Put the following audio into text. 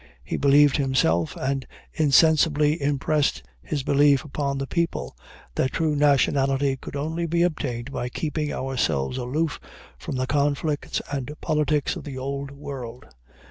He believed himself, and insensibly impressed his belief upon the people, that true nationality could only be obtained by keeping ourselves aloof from the conflicts and the politics of the Old World.